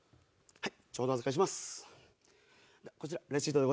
はい。